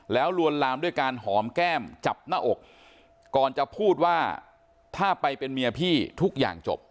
แล้วลวนลามด้วยการหอมแก้มจับหน้าอกก่อนจะพูดว่าถ้าไปเป็นเมียพี่ทุกอย่างจบ